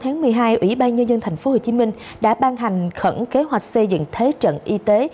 ngày một mươi bốn một mươi hai ủy ban nhân dân tp hcm đã ban hành khẩn kế hoạch xây dựng thế trận y tế